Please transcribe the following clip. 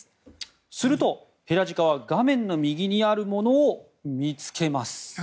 すると、ヘラジカは画面の右にあるものを見つけます。